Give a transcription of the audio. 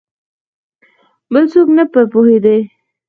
بل څوک نه په پوهېدی !